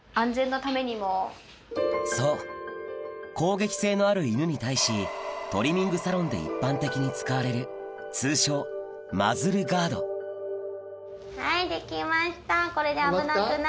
そう攻撃性のある犬に対しトリミングサロンで一般的に使われる通称マズルガードはいできました。